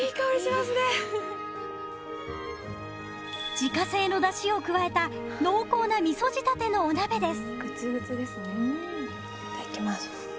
自家製のだしを加えた濃厚なみそ仕立てのお鍋です。